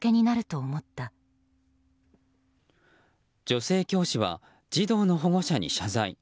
女性教師は児童の保護者に謝罪。